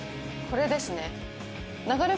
これですね。